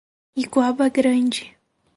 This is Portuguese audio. Iguaba Grande